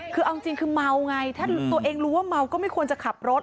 คือเอาจริงคือเมาไงถ้าตัวเองรู้ว่าเมาก็ไม่ควรจะขับรถ